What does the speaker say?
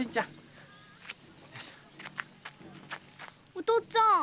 お父っつぁん。